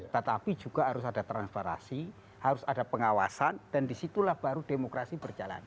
tetapi juga harus ada transparansi harus ada pengawasan dan disitulah baru demokrasi berjalan